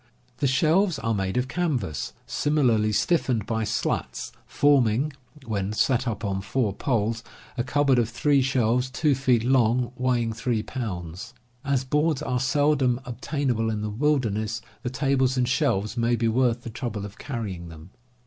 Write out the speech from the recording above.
The shelves are made of canvas, similarly stiffened by slats, forming, when set up on four poles, a cupboard of three shelves 2 feet long, weighing 3 TENTS AND TOOLS 49 pounds. As boards are seldom obtainable in the wil derness, the tables and shelves may be worth the trouble of carrying them.